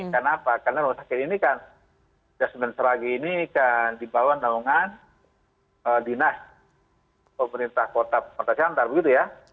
karena apa karena rumah sakit ini kan jasamen saragi ini kan dibawa naungan dinas pemerintah kota santar